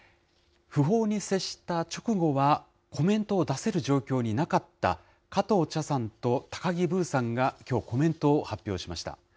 訃報に接した直後はコメントを出せる状況になかった加藤茶さんと高木ブーさんがきょう、コメントを発表しました。